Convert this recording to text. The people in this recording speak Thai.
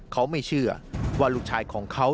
เขาไม่เชื่อว่าลูกชายของเขา